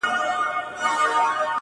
زوی له ډېره کیبره و ویله پلار ته,